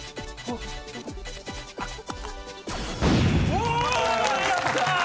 うおやった！